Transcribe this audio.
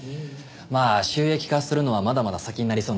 まあ収益化するのはまだまだ先になりそうなんですが。